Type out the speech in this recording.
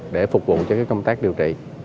để phục vụ cho công tác điều trị